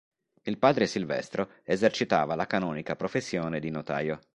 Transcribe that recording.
Il padre Silvestro esercitava la canonica professione di notaio.